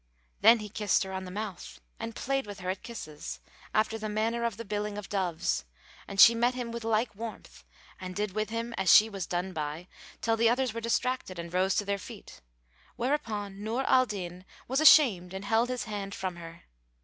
Then he kissed her on the mouth and played with her at kisses, after the manner of the billing of doves; and she met him with like warmth and did with him as she was done by till the others were distracted and rose to their feet; whereupon Nur al Din was ashamed and held his hand from her.